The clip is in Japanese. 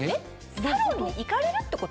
サロンに行かれるってこと？